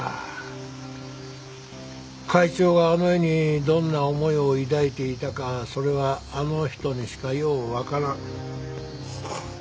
会長があの絵にどんな思いを抱いていたかそれはあの人にしかようわからん。